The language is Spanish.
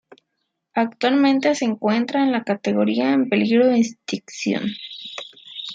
Actualmente se encuentra en la categoría en peligro de extinción.